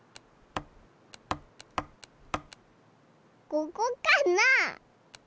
ここかな？